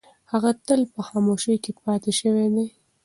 هغه تل په خاموشۍ کې پاتې شوې ده.